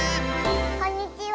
こんにちは。